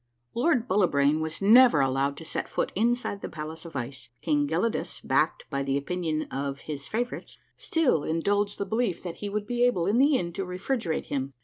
Lold Bullibrain was never allowed to set foot inside the palace of ice. King Gelidus, backed by the opinion of Ids favorites, still indulged the belief that he would be able in the end to refrigerate him.